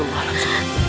aku sudah berhenti